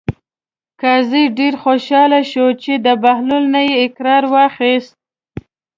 قاضي ډېر خوشحاله شو چې د بهلول نه یې اقرار واخیست.